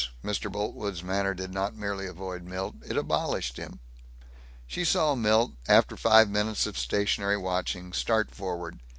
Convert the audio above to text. Mr. Boltwood's manner did not merely avoid Milt; it abolished him. She saw Milt, after five minutes of stationary watching, start forward.